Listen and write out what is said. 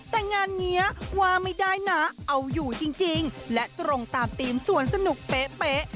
แต่งานนี้ว่าไม่ได้นะเอาอยู่จริงและตรงตามทีมสวนสนุกเป๊ะ